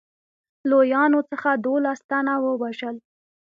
لویانو څخه دوولس تنه ووژل.